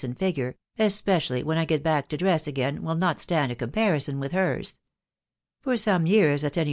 *5gure, especially when I get back to dress again, e ». i ju d a. comparison with hers. For some years, at any